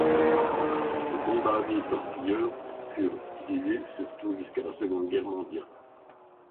Les bombardiers-torpilleurs furent utilisés surtout jusqu'à la Seconde Guerre mondiale.